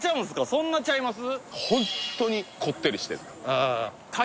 そんなちゃいます？